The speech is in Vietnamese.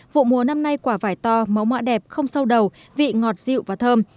vụ mùa năm nay quả vải to máu mọa đẹp không sâu đầu vị ngọt dịu và thơm